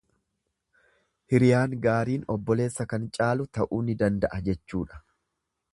Hiriyaan gaariin obboleessa kan caalu ta'uu ni danda'a jechuudha.